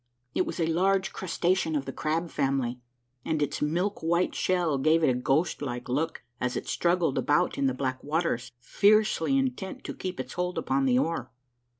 It was a large crustacean of the crab family, and its milk white shell gave it a ghost like look as it struggled about in the black waters, fiercely intent to keep its hold upon the oar.